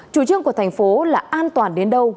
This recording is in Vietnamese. chủ trương của thành phố là an toàn đến đâu